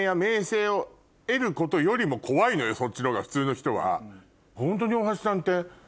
そっちの方が普通の人は。